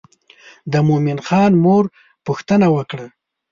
د مومن خان مور پوښتنه وکړه.